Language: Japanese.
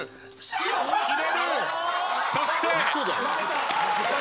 そして。